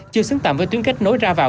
chưa xứng tầm với tuyến kết nối ra vào